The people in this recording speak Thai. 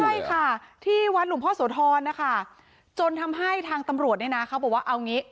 ใช่ค่ะที่วัดหลวงพ่อโสธรนะคะจนทำให้ทางตำรวจเนี่ยนะเขาบอกว่าเอางี้